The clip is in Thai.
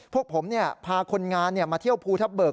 พวกผมพาคนงานมาเที่ยวภูทับเบิก